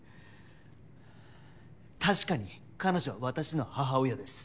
確かに彼女は私の母親です。